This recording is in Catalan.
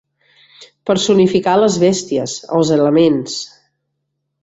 Personificar les bèsties, els elements.